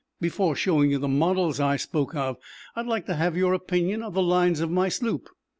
Before showing you the models I spoke of, I'd like to have your opinion of the lines of my sloop."